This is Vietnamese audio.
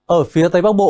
ở phía tây bắc bộ